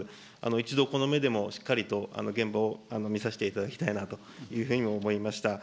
一度、この目でもしっかりと現場を見させていただきたいなというふうにも思いました。